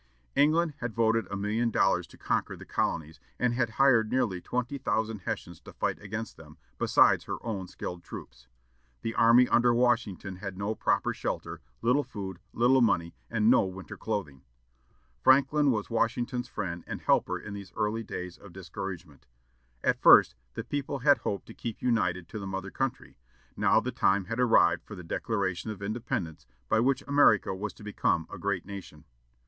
England had voted a million dollars to conquer the colonies, and had hired nearly twenty thousand Hessians to fight against them, besides her own skilled troops. The army under Washington had no proper shelter, little food, little money, and no winter clothing. Franklin was Washington's friend and helper in these early days of discouragement. At first the people had hoped to keep united to the mother country; now the time had arrived for the Declaration of Independence, by which America was to become a great nation.